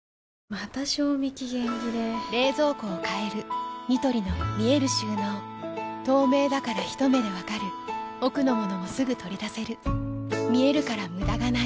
また賞味期限切れ冷蔵庫を変えるニトリの見える収納透明だからひと目で分かる奥の物もすぐ取り出せる見えるから無駄がないよし。